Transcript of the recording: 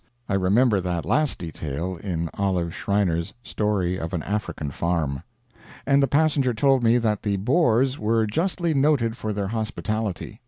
I remember that last detail, in Olive Schreiner's "Story of an African Farm." And the passenger told me that the Boers were justly noted for their hospitality.